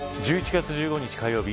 １１月１５日火曜日